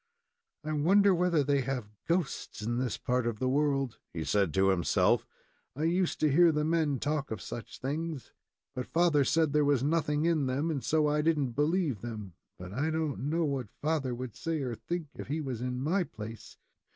"I wonder whether they have ghosts in this part of the world?" he said to himself. "I used to hear the men talk of such things, but father said there was nothing in them, and so I didn't believe them but I don't know what father would say or think if he was in my place."